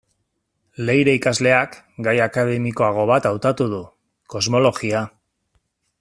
Leire ikasleak, gai akademikoago bat hautatu du: kosmologia.